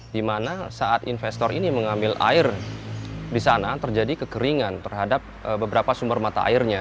di mana saat investor ini mengambil air di sana terjadi kekeringan terhadap beberapa sumber mata airnya